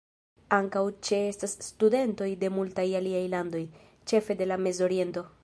Ankaŭ ĉe-estas studentoj de multaj aliaj landoj, ĉefe de la Mez-Oriento.